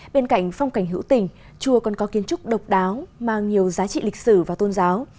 bên cạnh phong cảnh hữu tình chùa còn có kiến trúc độc đáo mang nhiều giá trị lịch sử và tôn giáo